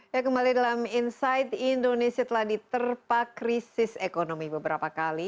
ya kembali dalam insight indonesia telah diterpak krisis ekonomi beberapa kali